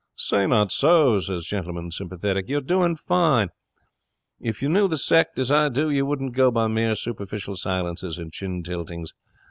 "Say not so," says Gentleman, sympathetic. "You're doing fine. If you knew the sect as I do you wouldn't go by mere superficial silences and chin tiltings.